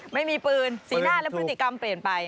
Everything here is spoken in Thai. ไม่มีปืนสีหน้าและพฤติกรรมเปลี่ยนไป